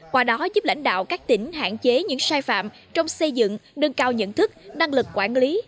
qua đó giúp lãnh đạo các tỉnh hạn chế những sai phạm trong xây dựng đơn cao nhận thức năng lực quản lý